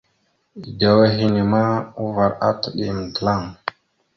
Edewa henne ma uvar ataɗ yam dəlaŋ.